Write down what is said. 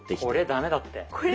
これ駄目だって。